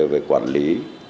về quản lý